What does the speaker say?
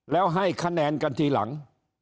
แล้วให้คะแนนกันทีหลัง